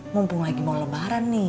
mumpung lagi mau lebaran nih